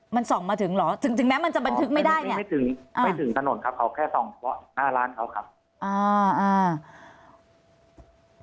มันส่องมาถึงเหรอถึงถึงแม้มันจะบันทึกไม่ได้เนี่ยไม่ถึงไม่ถึงถนนครับเขาแค่ส่องเพราะหน้าร้านเขาครับอ่าอ่า